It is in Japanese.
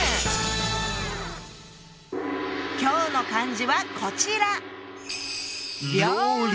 今日の漢字はこちら！